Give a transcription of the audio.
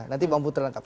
nanti pak putra lengkap